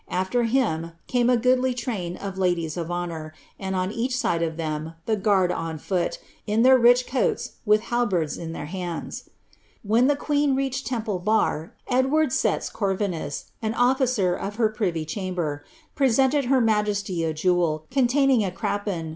After him, came a goodly train of ladies of 1 and on each side of ihem the guard on foot, in their rich coai halberds in their hands. When the queen reached Temple Bar, Edward Schets Cotri officer of her privy eh amber, presented her majesty a jewel, cor a crapon.